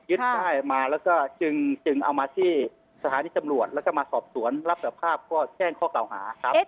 ได้มาแล้วก็จึงเอามาที่สถานีตำรวจแล้วก็มาสอบสวนรับสภาพก็แจ้งข้อเก่าหาครับ